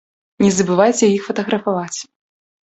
Не забывайце іх фатаграфаваць.